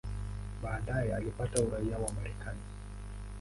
Baadaye alipata uraia wa Marekani.